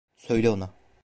Söyle ona.